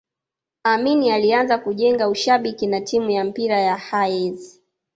Amin alianza kujenga ushabiki na timu ya mpira ya Hayes